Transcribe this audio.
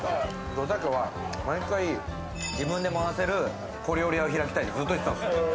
おたけは毎回、自分で回せる、小料理屋を開きたいってずっと言ってたんですよ。